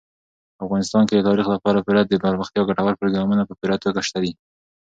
افغانستان کې د تاریخ لپاره پوره دپرمختیا ګټور پروګرامونه په پوره توګه شته دي.